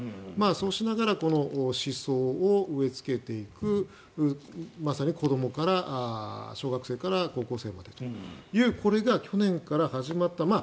そうしながら思想を植えつけていくまさに子どもから小学生から高校生までというこれが去年から始まった。